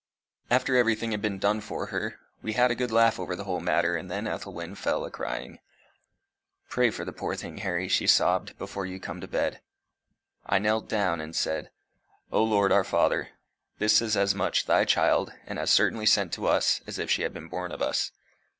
After everything had been done for her, we had a good laugh over the whole matter, and then Ethelwyn fell a crying. "Pray for the poor thing, Harry," she sobbed, "before you come to bed." I knelt down, and said: "O Lord our Father, this is as much thy child and as certainly sent to us as if she had been born of us.